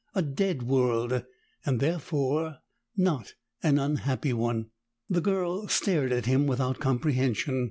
A dead world, and therefore not an unhappy one." The girl stared at him without comprehension.